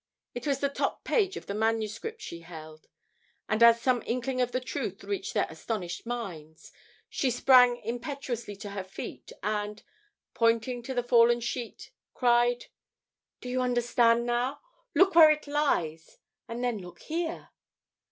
It was the top page of the manuscript she held, and as some inkling of the truth reached their astonished minds, she sprang impetuously to her feet and, pointing to the fallen sheet, cried: "Do you understand now? Look where it lies and then look here!"